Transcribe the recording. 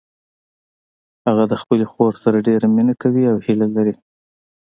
هغه د خپلې خور سره ډیره مینه کوي او هیله لري